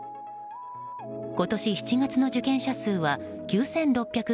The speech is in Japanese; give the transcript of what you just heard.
今年７月の受験者数は９６０９人。